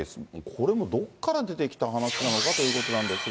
これもどっから出てきた話なのかということなんですが。